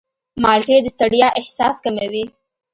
مالټې د ستړیا احساس کموي.